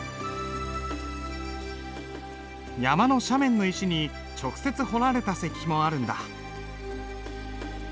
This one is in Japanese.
山の斜面の石に直接彫られた石碑もあるんだ。